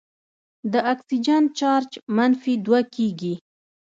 د اکسیجن چارج منفي دوه کیږي.